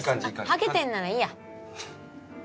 ハゲてんならいいや。